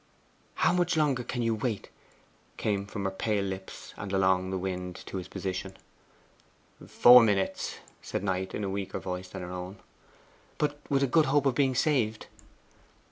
'How much longer can you wait?' came from her pale lips and along the wind to his position. 'Four minutes,' said Knight in a weaker voice than her own. 'But with a good hope of being saved?